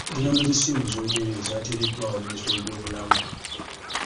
Ennamba z'essimu ez'obwereere zaateereddwawo minisitule y'ebyobulamu.